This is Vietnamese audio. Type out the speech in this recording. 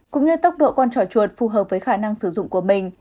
cũng như tốc độ con trỏ chuột phù hợp với khả năng sử dụng của mình